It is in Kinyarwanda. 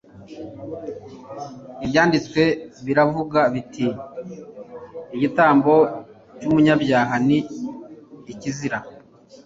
ibyanditswe biravuga biti igitambo cy'umunyabyaha ni ikizira